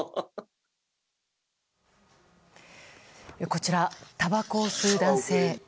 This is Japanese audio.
こちら、たばこを吸う男性。